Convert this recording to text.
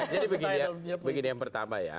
jadi begini yang pertama ya